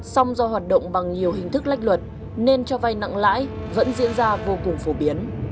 song do hoạt động bằng nhiều hình thức lách luật nên cho vay nặng lãi vẫn diễn ra vô cùng phổ biến